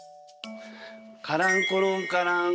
カランコロンカラン。